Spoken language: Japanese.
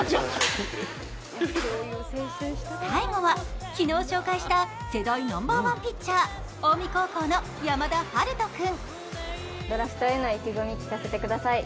最後は昨日紹介した世代ナンバーワンピッチャー、近江高校の山田陽翔君。